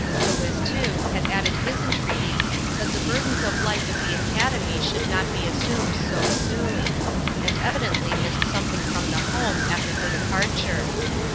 Louis, too, had added his entreaties that the burdens of life at the Academy should not be assumed so soon, and evidently missed something from the home after her departure.